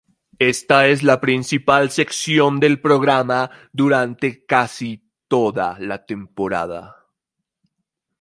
Esta es la principal sección del programa durante casi toda la temporada.